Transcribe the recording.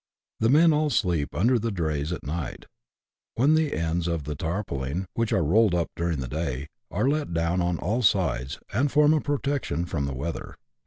The men all sleep under the drays at night, when the ends of the tarpawling, which are rolled up during the day, are let down on all sides, and form a protection from the weather.